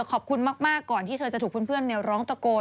ขอบคุณมากก่อนที่เธอจะถูกเพื่อนร้องตะโกน